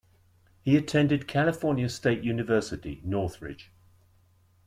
He attended California State University, Northridge.